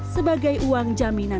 sebagai uang jambatan